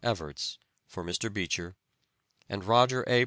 Evarts, for Mr. Beecher, and Roger A.